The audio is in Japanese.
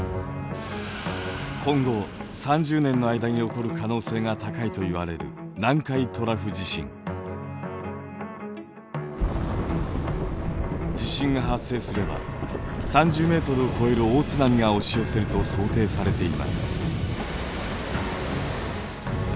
今後３０年の間に起こる可能性が高いといわれる地震が発生すれば３０ｍを超える大津波が押し寄せると想定されています。